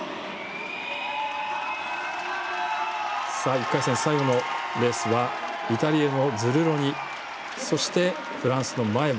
１回戦、最後のレースはイタリアのズルロニそして、フランスのマウェム。